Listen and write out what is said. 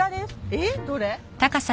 えっ？どれ？